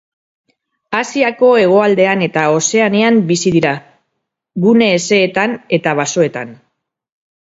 Asiako hegoaldean eta Ozeanian bizi dira, gune hezeetan eta basoetan.